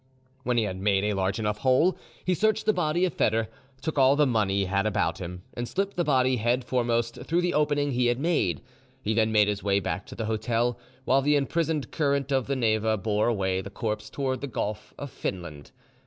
When he had made a large enough hole, he searched the body of Foedor, took all the money he had about him, and slipped the body head foremost through the opening he had made. He then made his way back to the hotel, while the imprisoned current of the Neva bore away the corpse towards the Gulf of Finland.